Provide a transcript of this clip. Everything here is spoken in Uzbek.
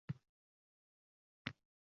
He, hammayoq buzilib ketdi!